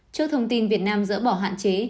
trước thông tin việt nam dỡ bỏ hạn chế